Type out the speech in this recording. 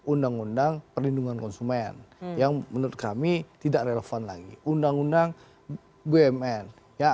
undang undang perlindungan konsumen yang menurut kami tidak relevan lagi undang undang bumn ya